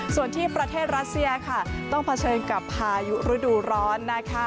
ส่วนที่ประเทศรัสเซียค่ะต้องเผชิญกับพายุฤดูร้อนนะคะ